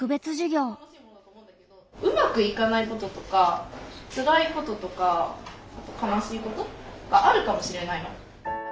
うまくいかないこととかつらいこととか悲しいことがあるかもしれないの。